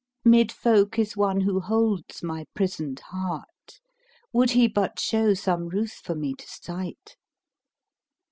Mid folk is one who holds my prisoned heart; * Would he but show some ruth for me to sight.